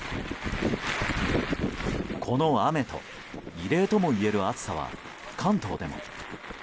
この雨と、異例ともいえる暑さは関東でも。